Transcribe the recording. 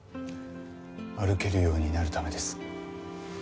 歩けるようになるためです。